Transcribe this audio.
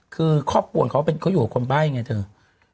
คือครอบครัวของเขาเขาอยู่กับคนใบ้ไงเธอ